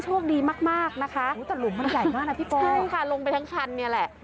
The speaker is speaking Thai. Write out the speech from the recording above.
ใช่ค่ะลงไปทั้งคันนี่แหละ